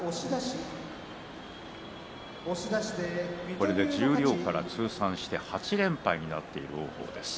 これで十両から通算して８連敗となっている王鵬です。